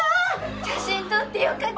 ・写真撮ってよかけ？